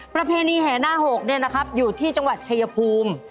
ประเพณีแห่หน้าหกอยู่ที่จังหวัดชายภูมิ